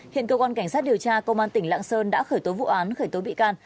hiện cơ quan cảnh sát điều tra công an tỉnh lạng sơn đã khởi tố vụ án khởi tố bị can